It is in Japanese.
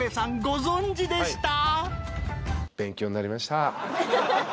ご存じでした？］